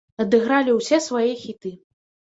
Адыгралі ўсе свае хіты.